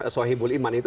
sohibul iman itu